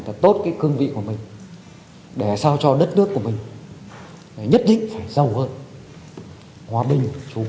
phát triển nhanh hơn